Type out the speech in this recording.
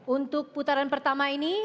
untuk putaran pertama ini